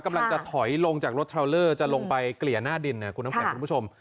กำลังจะถอยลงจากรถทราวเลอร์จะลงไปเกลี่ยหน้าดินคุณผู้ชม